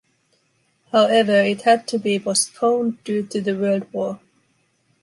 However, it had to be postponed due to the World War.